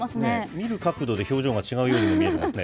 見る角度で表情が違うように見えますね。